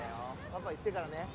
パパ行ってからね。